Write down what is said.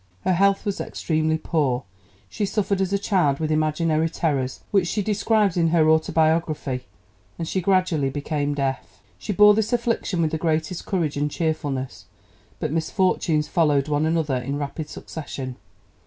Her health was extremely poor; she suffered as a child from imaginary terrors which she describes in her Autobiography, and she gradually became deaf. She bore this affliction with the greatest courage and cheerfulness, but misfortunes followed one another in rapid succession.